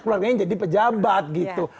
keluarganya jadi pejabat gitu